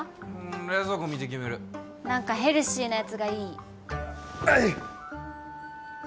冷蔵庫見て決める何かヘルシーなやつがいいあい！